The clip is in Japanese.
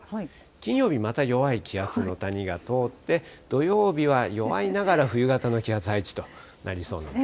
金曜日また弱い気圧の谷が通って、土曜日は弱いながら冬型の気圧配置になりそうですね。